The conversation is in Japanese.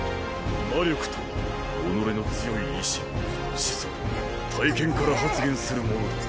魔力とは己の強い意志思想体験から発現するものだ。